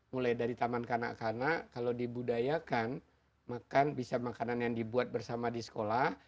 mulai dari taman kanak kanak kalau dibudayakan makan bisa makanan yang dibuat bersama di sekolah